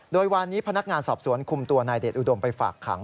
โดยวานนี้พนักงานสอบสวนคุมตัวนายเดชอุดมไปฝากขัง